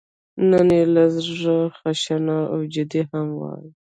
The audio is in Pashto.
نن یې لږه خشنه او جدي هم وایم.